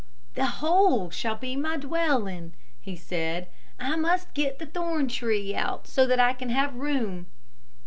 "The hole shall be my dwelling," he said. "I must get the thorn tree out so that I can have room."